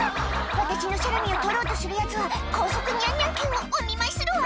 「私のサラミを取ろうとするヤツは高速ニャンニャン拳をお見舞いするわ！」